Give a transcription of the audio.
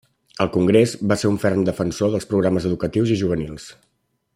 Al Congrés va ser un ferm defensor dels programes educatius i juvenils.